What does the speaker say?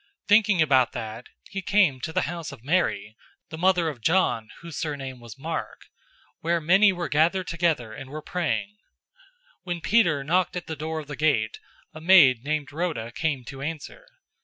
012:012 Thinking about that, he came to the house of Mary, the mother of John whose surname was Mark, where many were gathered together and were praying. 012:013 When Peter knocked at the door of the gate, a maid named Rhoda came to answer.